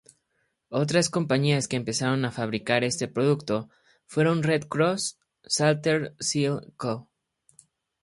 Otras compañías que empezaron a fabricar este producto fueron Red Cross, Salter Sill Co.